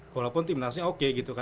walaupun timnasnya oke gitu